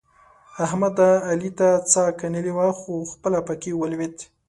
احمد؛ علي ته څا کنلې وه؛ خو خپله په کې ولوېد.